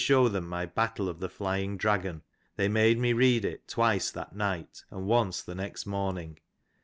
show them mj Battle of the Flying Dragon thej made me read it ''twice that Dight and once the next morning.